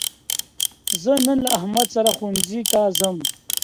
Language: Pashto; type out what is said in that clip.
زه نن له احمد سره ښوونځي ته ځم.